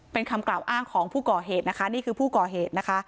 เป็นคำกล่าวอ้างของผู้ก่อเหตุนะคะนี่คือผู้ก่อเหตุนะคะ